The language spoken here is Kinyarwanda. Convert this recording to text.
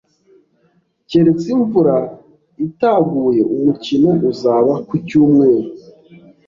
Keretse imvura itaguye, umukino uzaba ku cyumweru.